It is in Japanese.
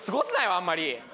あんまり。